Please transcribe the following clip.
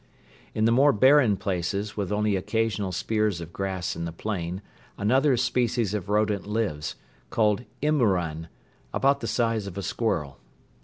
In the more barren places with only occasional spears of grass in the plain another species of rodent lives, called imouran, about the size of a squirrel.